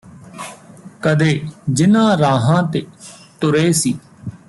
ਕਦੇ ਜਿਹਨਾਂ ਰਾਹਾਂ ਤੇ ਤੁਰੇ ਸੀ